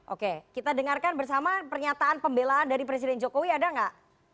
oke kita dengarkan bersama pernyataan pembelaan dari presiden jokowi ada nggak